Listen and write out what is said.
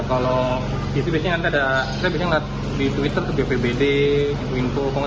kalau di situ biasanya ada saya biasanya lihat di twitter bvbd winko di rt winko